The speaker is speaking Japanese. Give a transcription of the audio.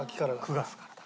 ９月からだ。